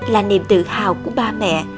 là niềm tự hào của ba mẹ